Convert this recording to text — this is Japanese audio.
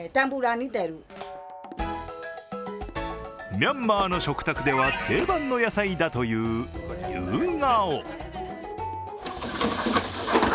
ミャンマーの食卓では定番の野菜だという、夕顔。